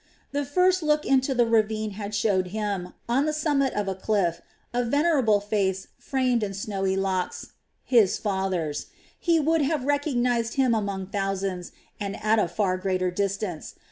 The first look into the ravine had showed him, on the summit of a cliff, a venerable face framed in snowy locks his father's. He would have recognized him among thousands and at a far greater distance!